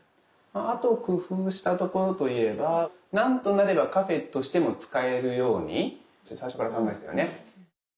あと工夫したところといえば何となればカフェとしても使えるように最初から考えてたよね。